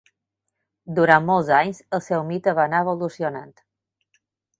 Durant molts anys, el seu mite va anar evolucionant.